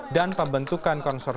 dan pembentukan konsorsium